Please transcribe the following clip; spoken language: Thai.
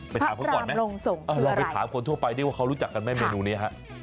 พระรามลงสงคืออะไรลองไปถามคนทั่วไปได้ว่าเขารู้จักกันไหมเมนูนี้